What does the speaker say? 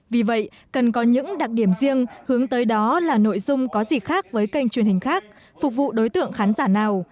vì vậy cần có những đặc điểm riêng hướng tới đó là nội dung có gì khác với kênh truyền hình khác phục vụ đối tượng khán giả nào